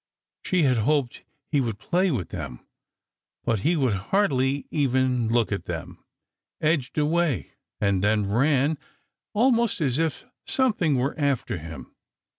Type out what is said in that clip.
She had hoped he would play with them ... but he would hardly even look at them—edged away, and then ran, almost as if something were after him